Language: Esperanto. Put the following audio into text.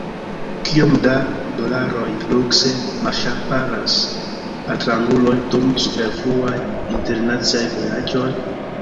Kiom da dolaroj lukse malŝparas altranguloj dum superfluaj internaciaj vojaĝoj?